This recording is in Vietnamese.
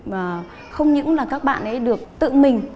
và không những là các bạn ấy được tự mình